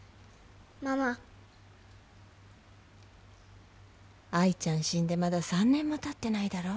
ママ愛ちゃん死んでまだ３年もたってないだろ